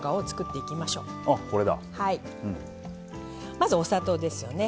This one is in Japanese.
まずお砂糖ですよね。